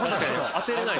当てれない。